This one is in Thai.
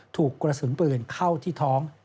ถูกกระสุนปืนเข้าที่ท้อง